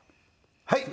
はい。